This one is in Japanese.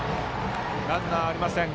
ランナー、ありません。